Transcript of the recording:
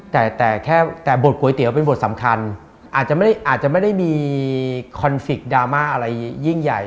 แต่บทก๋วยเตี๋ยวเป็นบทสำคัญอาจจะไม่ได้มีคอนฟิกต์ดราม่ายิ่งใหญ่